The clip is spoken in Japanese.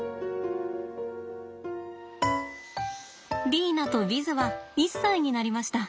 リーナとヴィズは１歳になりました。